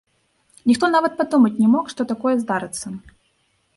Ніхто нават падумаць не мог, што такое здарыцца.